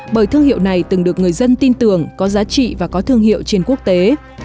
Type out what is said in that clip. bởi thương hiệu này từng được người dân tin tưởng có giá trị và có thương hiệu trên quốc tế